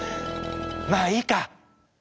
まあいいか！